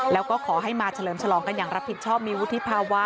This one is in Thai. แล้วก็ขอให้มาเฉลิมฉลองกันอย่างรับผิดชอบมีวุฒิภาวะ